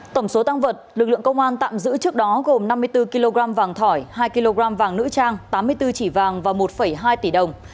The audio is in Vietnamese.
tổng số tăng vật lực lượng công an tạm giữ trước đó gồm năm mươi bốn kg vàng thỏi hai kg vàng nữ trang tám mươi bốn chỉ vàng và một hai tỷ đồng